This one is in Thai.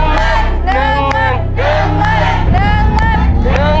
๑หมื่น